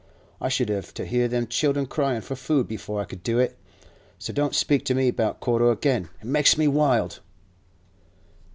I should have to hear them children cryin' for food before I could do it. So don't speak to me about Corder again. It makes me wild!